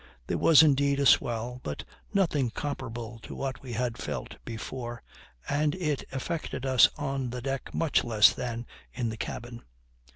There was indeed a swell, but nothing comparable to what we had felt before, and it affected us on the deck much less than in the cabin.